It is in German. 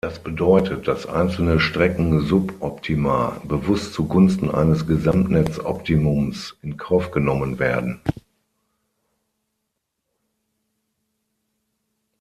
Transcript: Das bedeutet, dass einzelne Strecken-Suboptima bewusst zu Gunsten eines Gesamtnetz-Optimums in Kauf genommen werden.